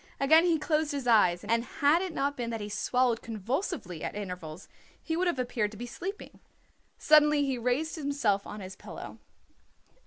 Again he closed his eyes, and had it not been that he swallowed convulsively at intervals he would have appeared to be sleeping. Suddenly he raised himself on his pillow.